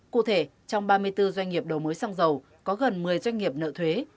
cụ thể trong ba mươi bốn doanh nghiệp đầu mối xăng dầu có gần một mươi doanh nghiệp nợ thuế